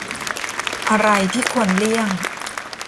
อะไรที่ควรเลี่ยง